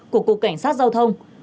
của cục cảnh sát giao thông